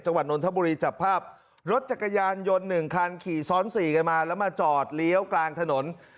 จังหวัดนนทบุรีจับภาพรถจักรยานยนต์๑คันขี่ซ้อน๔กลายมาแล้วมาจอดเลี้ยวกลางถนน